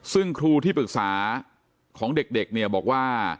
ซึ่งครูที่ปรึกษาของเด็กเนี่ยบอกว่า